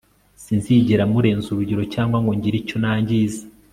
sinzigera murenza urugero cyangwa ngo ngire icyo nangiza